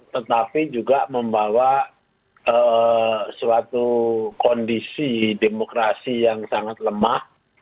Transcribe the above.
tetapi juga membawa suatu kondisi demokrasi yang sangat lemah